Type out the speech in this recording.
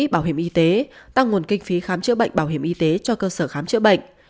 bảo hiểm y tế tăng nguồn kinh phí khám chữa bệnh bảo hiểm y tế cho cơ sở khám chữa bệnh